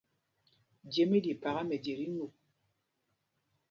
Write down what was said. Jem í ɗi paka mɛje tí nup.